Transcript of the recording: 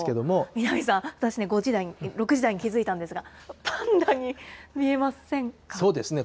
南さん、私、５時台、６時台に気付いたんですが、パンダに見そうですね